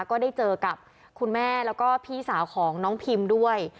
ก็ได้เจอกับคุณแม่แล้วก็พี่สาวของน้องพิมด้วย